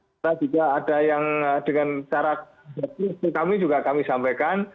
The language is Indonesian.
kita juga ada yang dengan cara kami juga kami sampaikan